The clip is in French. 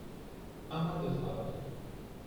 Un mois de travail.